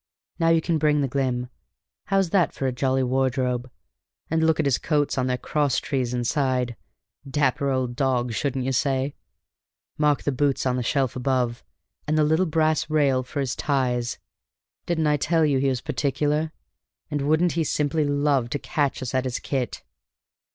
Now you can bring the glim. How's that for a jolly wardrobe? And look at his coats on their cross trees inside: dapper old dog, shouldn't you say? Mark the boots on the shelf above, and the little brass rail for his ties! Didn't I tell you he was particular? And wouldn't he simply love to catch us at his kit?"